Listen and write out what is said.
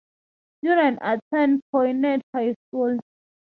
Students attend Poynette High School.